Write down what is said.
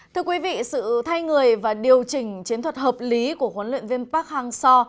thưa quý vị sự thay người và điều chỉnh chiến thuật hợp lý của huấn luyện viên park hang seo